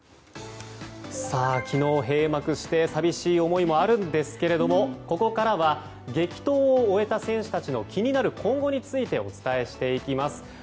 昨日、閉幕して寂しい思いもあるんですがここからは激闘を終えた選手たちの気になる今後についてお伝えしていきます。